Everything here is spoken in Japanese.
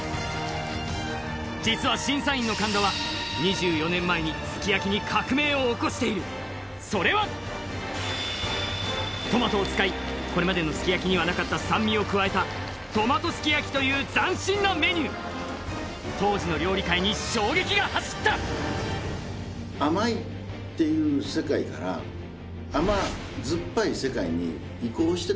実は審査員の神田は２４年前にすき焼きに革命を起こしているそれはトマトを使いこれまでのすき焼きにはなかった酸味を加えたトマトすき焼きという斬新なメニュー当時の料理界に衝撃が走った甘いっていう世界から甘酸っぱい世界に移行してた時期なんですよね